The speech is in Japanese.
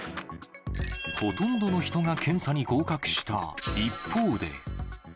ほとんどの人が検査に合格した一方で。